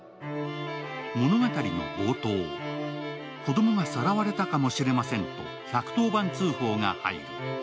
物語の冒頭、子供がさらわれたかもしれませんと１１０番通報が入る。